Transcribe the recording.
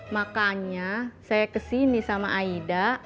makanya saya kesini sama aida